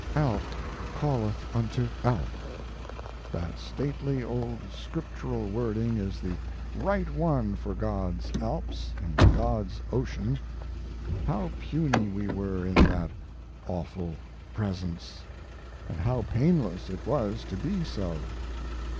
Alp calleth unto Alp! That stately old Scriptural wording is the right one for God's Alps and God's ocean. How puny we were in that awful Presence, and how painless it was to be so!